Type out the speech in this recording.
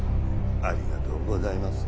ありがとうございます。